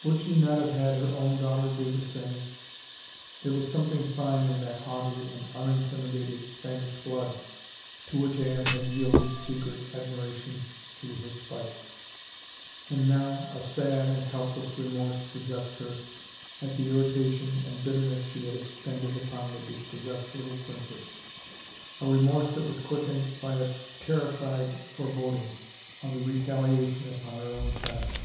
Would she not have had her own daughter do the same ? There was something fine in that haughty and unintimidated Spanish blood to which Anne had yielded secret admiration through her spite — and now a sad and helpless remorse possessed her at the irri tation and bitterness she had expended upon the dispos sessed little princess, a remorse that was quickened by a terrified foreboding of the retaliation upon her own child.